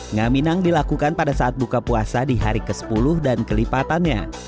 ngaminang dilakukan pada saat buka puasa di hari ke sepuluh dan kelipatannya